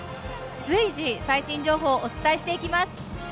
随時、最新情報をお伝えしていきます。